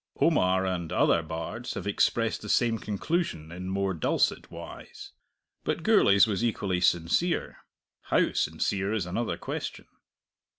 Omar and other bards have expressed the same conclusion in more dulcet wise. But Gourlay's was equally sincere. How sincere is another question.